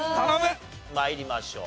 参りましょう。